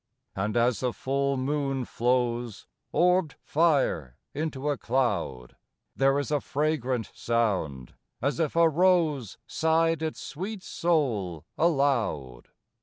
And as the full moon flows, Orb'd fire, into a cloud, There is a fragrant sound as if a rose Sighed its sweet soul aloud.